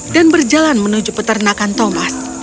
dan berjalan menuju peternakan thomas